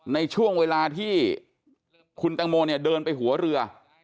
ในช่วงเวลาที่คุณแตงโมเนี่ยเดินไปหัวเรือ